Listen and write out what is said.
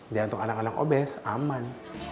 dan untuk anak anak obes aman